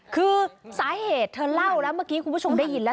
คือสาเหตุเธอเล่าแล้วเมื่อกี้คุณผู้ชมได้ยินแล้ว